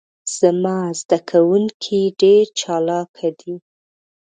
زما ذده کوونکي ډیر چالاکه دي.